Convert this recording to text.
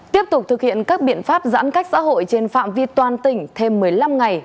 tiếp tục thực hiện các biện pháp giãn cách xã hội trên phạm vi toàn tỉnh thêm một mươi năm ngày